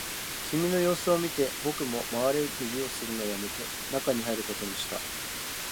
君の様子を見て、僕も回れ右をするのをやめて、中に入ることにした